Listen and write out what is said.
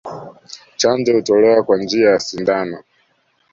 Chanjo hutolewa kwa njia ya sindano